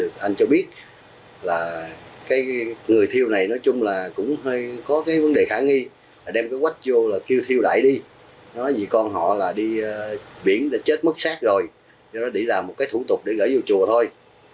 cái người thiêu này nói chung là cũng hơi có cái vấn đề khả nghi là đem cái quách vô là kêu thiêu đẩy đi nó nói gì con họ là đi biển đã chết mất sát rồi nó chỉ làm một cái thủ tục để gửi vô chùa thôi